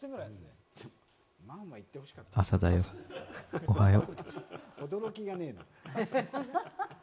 朝だよ、おはよう。